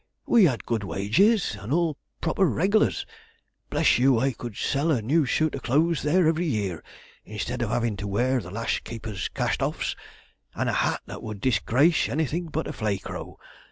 We had good wages, and all the proper "reglars." Bless you, I could sell a new suit of clothes there every year, instead of having to wear the last keeper's cast offs, and a hat that would disgrace anything but a flay crow.